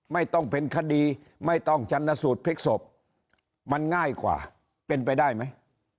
ไม่ต้องเป็นคดีไม่ต้องชันสูตรพลิกศพมันง่ายกว่าเป็นไปได้ไหม